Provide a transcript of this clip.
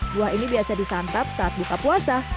buah ini biasa disantap saat buka puasa